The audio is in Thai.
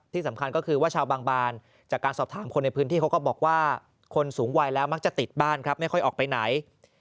ที่สำคัญก็คือว่าชาวบางบานจากการสอบถามคนในพื้นที่เขาก็บอกว่าคนสูงวัยแล้วมักจะติดบ้านครับไม่ค่อยออกไปไหน